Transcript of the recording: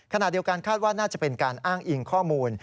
ขณะเดียวกันคาดว่าน่าจะเป็นการอ้างอิงข้อมูล